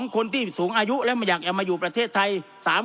คนที่สูงอายุและไม่อยากจะมาอยู่ประเทศไทย